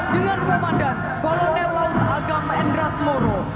dengan komandan kolonel laut agam endras moro